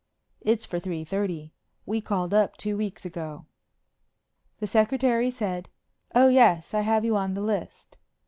"It's for three thirty. We called up two weeks ago." The secretary said, "Oh, yes. I have you on the list."